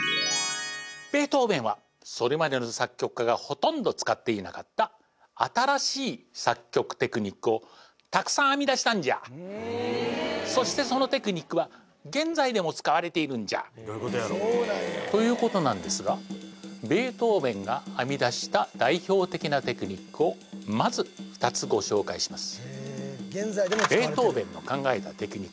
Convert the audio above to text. ベートーヴェンはそれまでの作曲家がほとんど使っていなかった新しい作曲テクニックをたくさん編み出したんじゃそしてそのテクニックは現在でも使われているんじゃということなんですがベートーヴェンが編み出したをまず２つご紹介します